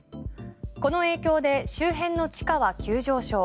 この影響で周辺の地価は急上昇。